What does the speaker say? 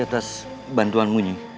terima kasih atas bantuanmu